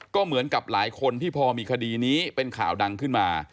ก็เหมือนกับหลายคนที่พอมีคดีนี้เป็นข่าวดังขึ้นมา